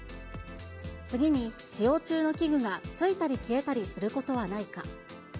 次に使用中の器具がついたり消えたりすることはないか。